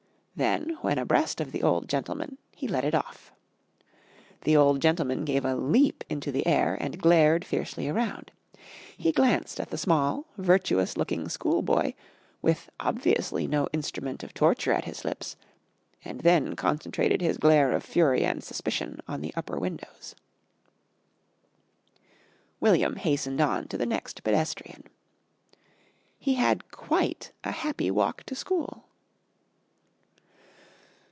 Then, when abreast of the old gentleman, he let it off. The old gentleman gave a leap into the air and glared fiercely around. He glanced at the small virtuous looking schoolboy with obviously no instrument of torture at his lips, and then concentrated his glare of fury and suspicion on the upper windows. William hastened on to the next pedestrian. He had quite a happy walk to school.